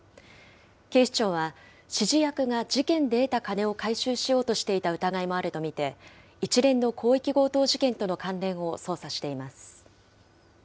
警視庁は、指示役が事件で得た金を回収しようとしていた疑いもあると見て、一連の広域強盗事件との関連を捜査しています。